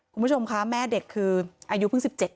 คุณผู้ชมคะแม่เด็กคืออายุเพิ่ง๑๗